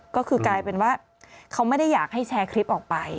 ก็คือกลายเป็นว่าเขาไม่ได้อยากให้แชร์คลิปออกไป